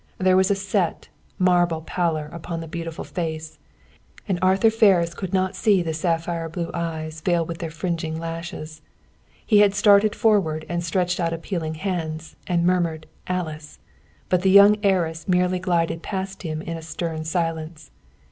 There was a set, marble pallor upon the beautiful face, and Arthur Ferris could not see the sapphire blue eyes veiled with their fringing lashes. He had started forward, had stretched out appealing hands, and murmured "Alice," but the youthful heiress merely glided past him in a stern silence.